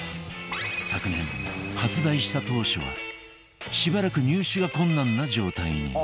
昨年発売した当初はしばらく入手が困難な状態に